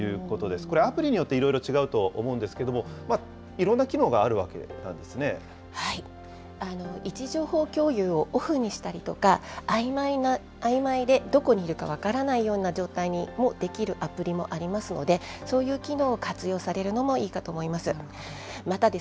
これ、アプリによっていろいろ違うと思うんですけれども、いろん位置情報共有をオフにしたりとか、あいまいでどこにいるか分からないような状態にもできるアプリもありますので、そういう機能を活用されるのもいいかと思います。